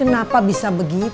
kenapa bisa begitu